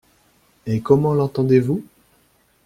Et comment l’entendez-vous ?